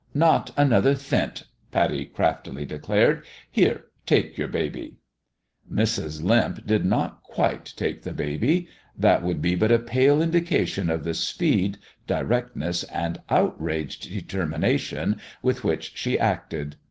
" Not another thent 1 " Pattie craftily declared. " Here take your baby." Mrs. Limp did not quite take the baby. That would be but a pale indication of the speed, directness and outraged determination with which she acted.